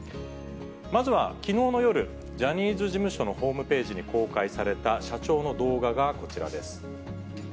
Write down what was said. まずはきのうの夜、ジャニーズ事務所のホームページに公開された社長の動画がこちら